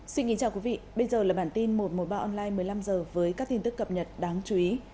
xin kính chào quý vị bây giờ là bản tin một trăm một mươi ba online một mươi năm h với các tin tức cập nhật đáng chú ý